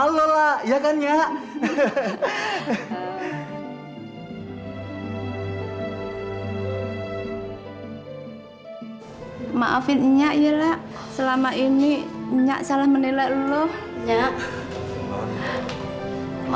lo lah ya kan ya hehehe hehehe maafin nyak ya lah selama ini enggak salah menilai lo ya